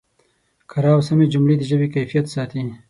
کره او سمې جملې د ژبې کیفیت ساتي.